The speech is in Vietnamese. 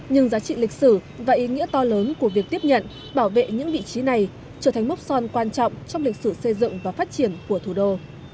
nhưng giá trị lịch sử và ý nghĩa to lớn của việc tiếp nhận bảo vệ những vị trí này trở thành mốc son quan trọng trong lịch sử xây dựng và phát triển của thủ đô